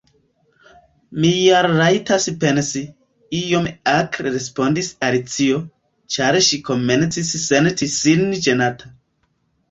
"Mi ja rajtas pensi," iom akre respondis Alicio, ĉar ŝi komencis senti sin ĝenata.